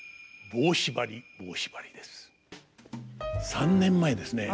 ３年前ですね